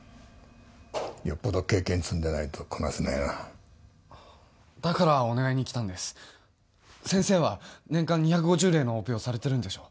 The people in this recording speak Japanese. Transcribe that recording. よっぽど経験を積んでないとこなせないなだからお願いに来たんです先生は年間２５０例のオペをされてるんでしょう？